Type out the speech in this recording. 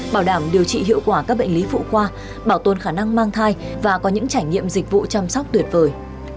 bảo đảm điều trị hiệu quả các bệnh lý phụ khoa bảo tồn khả năng mang thai và có những trải nghiệm dịch vụ chăm sóc tuyệt vời